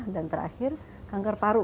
dan terakhir kanker paru